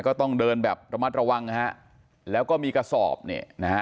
ก็ต้องเดินแบบระมัดระวังนะฮะแล้วก็มีกระสอบเนี่ยนะฮะ